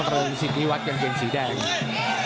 เริงสิริวัตรกับเกงสีแดง